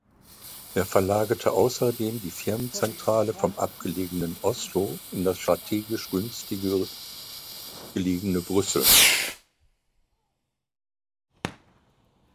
Er verlagerte ausserdem die Firmenzentrale vom abgelegenen Oslo in das strategisch günstiger gelegene Brüssel.